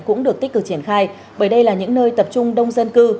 cũng được tích cực triển khai bởi đây là những nơi tập trung đông dân cư